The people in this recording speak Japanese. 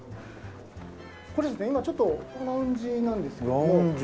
これですね今ちょっとこれラウンジなんですけど。